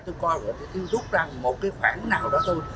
tôi coi là tôi thu hồi ra một cái khoảng nào đó thôi